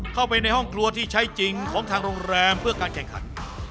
เข้าไปในห้องครัวที่ใช้จริงของทางโรงแรมเพื่อการแข่งขัน